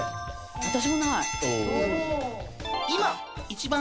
私もない。